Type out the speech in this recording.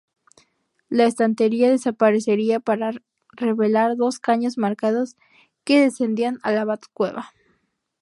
La estantería desaparecería para revelar dos caños marcados que descendían a la Batcueva.